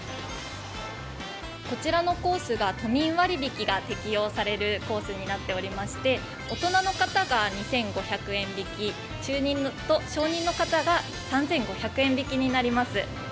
こちらのコースが都民割引が適用されるコースになっておりまして、大人の方が２５００円引き、中人と小人の方が３５００円引きになります。